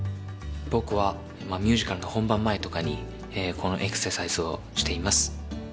僕はミュージカルの本番前とかにこのエクササイズをしています。